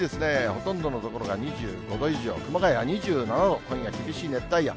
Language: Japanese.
ほとんどの所が２５度以上、熊谷は２７度、今夜、厳しい熱帯夜。